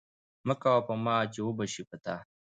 مه کوه په ما، چې وبه سي په تا!